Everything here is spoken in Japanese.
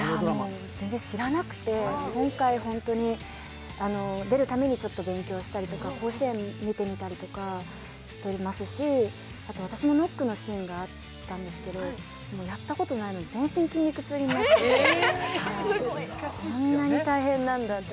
全然知らなくて、今回出るためにちょっと勉強したりとか、甲子園見てみたりとかしていますしあと私のノックのシーンがあったんですけどやったことないので全身、筋肉痛になってこんなに大変なんだって